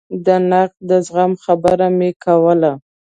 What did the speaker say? د نقد د زغم خبره مې کوله.